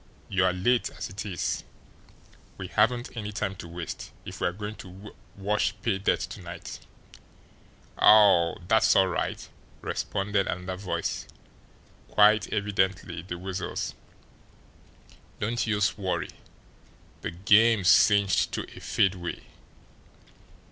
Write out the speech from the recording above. You're late, as it is. We haven't any time to waste, if we're going to wash pay dirt to night." "Aw, dat's all right!" responded another voice quite evidently the Weasel's. "Don't youse worry de game's cinched to a fadeaway."